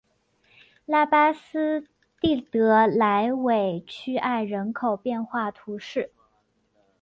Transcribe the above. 拉巴斯蒂德莱韦屈埃人口变化图示